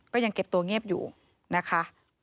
ก็ยังเก็บตัวเงียบอยู่นะคะ